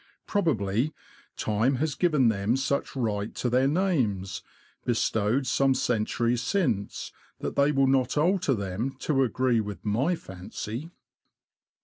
Probably, time has given them such right to their names, bestowed some centuries since, that they will not alter them to agree with my fancy.